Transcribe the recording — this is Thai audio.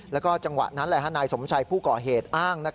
แล้วก็จังหวะนั้นนายสมชัยผู้ก่อเหตุอ้าง